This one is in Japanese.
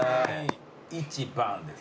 「１番」です。